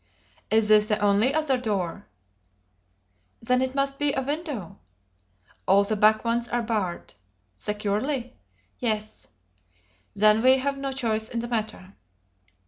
"Is this the only other door?" "Then it must be a window." "All the back ones are barred." "Securely?" "Yes." "Then we've no choice in the matter."